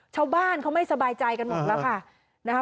ชาวบ้านเขาไม่สบายใจกันหมดแล้วค่ะนะคะ